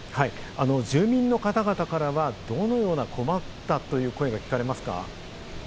住民の方々からはどのような困ったという声が聞かれますか？